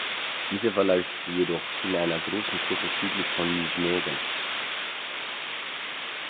Diese verläuft jedoch in einer großen Kurve südlich von Nijmegen.